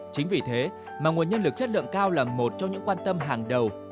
chính vì thế mà nguồn nhân lực chất lượng cao là một trong những quan tâm hàng đầu